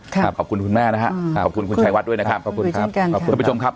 ขอบคุณคุณแม่นะฮะขอบคุณคุณชายวัดด้วยนะครับขอบคุณครับขอบคุณผู้ชมครับ